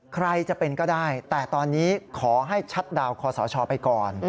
ใครจะเป็นก็ได้แต่ตอนนี้ขอให้ชัดดาวนคอสชไปก่อน